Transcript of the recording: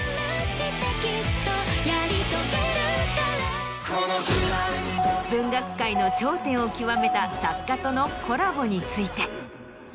きっとやり遂げるから文学界の頂点を極めた作家とのコラボについて。